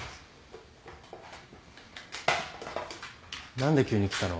何で急に来たの？